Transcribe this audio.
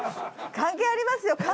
関係ありますよ。